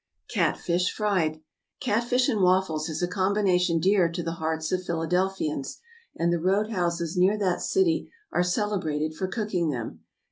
=Catfish, Fried.= Catfish and waffles is a combination dear to the hearts of Philadelphians, and the road houses near that city are celebrated for cooking them.